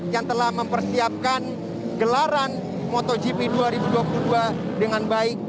yang telah mempersiapkan gelaran motogp dua ribu dua puluh dua dengan baik